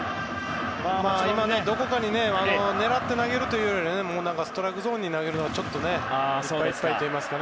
どこかに狙って投げるというかストライクゾーンに投げるのでいっぱいいっぱいというか。